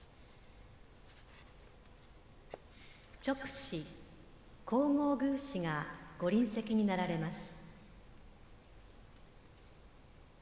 勅使・皇后宮使がご臨席になられます。